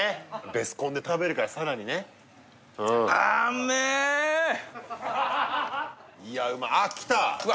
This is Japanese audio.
ベスコンで食べるからさらにねうんあいやあっ来たうわ